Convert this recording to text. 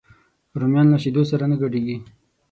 رومیان له شیدو سره نه ګډېږي